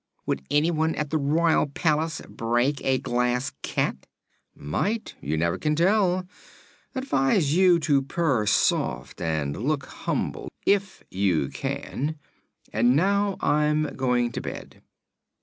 "Would anyone at the royal palace break a Glass Cat?" "Might. You never can tell. Advise you to purr soft and look humble if you can. And now I'm going to bed."